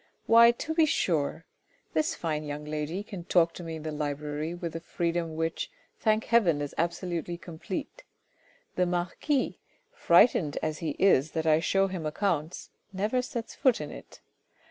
" Why to be sure ! This fine young lady can talk to me in the library with a free dom which, thank heaven, is absolutely complete ; the marquis, frightened as he is that I show him accounts, never sets foot in it.